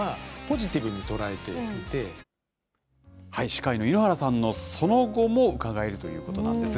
司会の井ノ原さんのその後も伺えるということなんです。